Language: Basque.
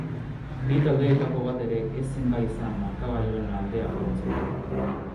Bi taldeetako bat ere ez zen gai izan markagailuan aldeak lortzeko.